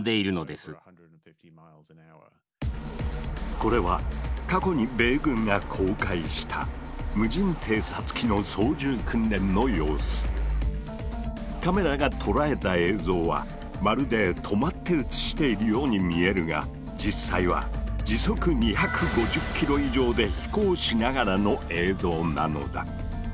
これは過去に米軍が公開したカメラが捉えた映像はまるで止まって写しているように見えるが実際は時速２５０キロ以上で飛行しながらの映像なのだ。